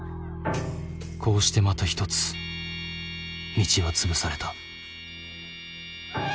こうしてまた１つ道は潰された。